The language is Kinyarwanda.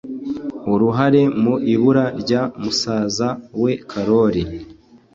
uruhare mu ibura rya musaza we karori